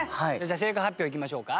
正解発表いきましょうか。